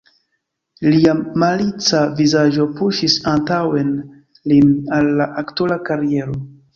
Lia malica vizaĝo puŝis antaŭen lin al la aktora kariero.